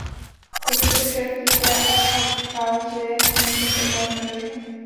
Pokud se však týká Abcházie, k ničemu takovému nedošlo.